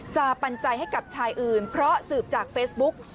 ปัญญาให้กับชายอื่นเพราะสืบจากเฟซบุ๊ก